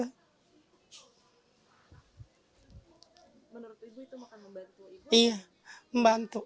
menurut ibu itu akan membantu ibu